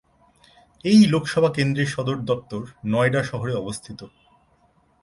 এই লোকসভা কেন্দ্রের সদর দফতর নয়ডা শহরে অবস্থিত।